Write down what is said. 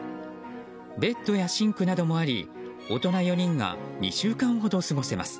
ベッドやシンクなどもあり大人４人が２週間ほど過ごせます。